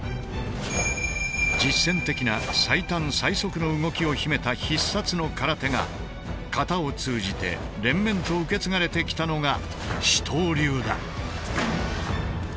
実戦的な最短・最速の動きを秘めた必殺の空手が形を通じて連綿と受け継がれてきたのが糸東流だ。